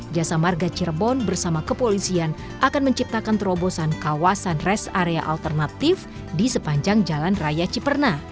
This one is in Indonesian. jasa marga cirebon bersama kepolisian akan menciptakan terobosan kawasan rest area alternatif di sepanjang jalan raya ciperna